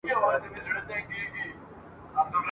دا لا څه چي ټول دروغ وي ټول ریا وي !.